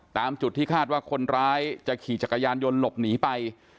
ตามจุดที่คาดว่าคนร้ายจะขี่จักรยานยนต์หลบหนีไป